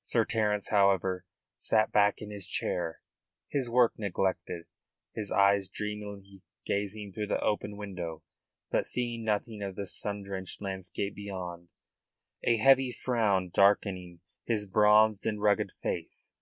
Sir Terence, however, sat back in his chair, his work neglected, his eyes dreamily gazing through the open window, but seeing nothing of the sun drenched landscape beyond, a heavy frown darkening his bronzed and rugged face.